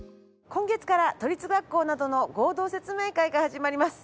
今月から都立学校などの合同説明会が始まります。